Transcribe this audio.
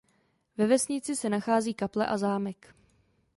Ve vesnici se nachází kaple a zámek.